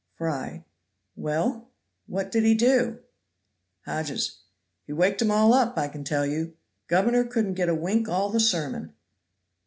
Fry. Well, what did he do? Hodges. He waked 'em all up, I can tell you. Governor couldn't get a wink all the sermon.